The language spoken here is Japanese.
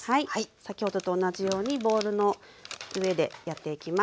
先ほどと同じようにボウルの上でやっていきます。